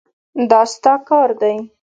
دا ستا کار دی.